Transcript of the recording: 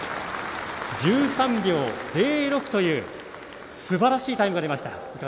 １３秒０６というすばらしいタイムです。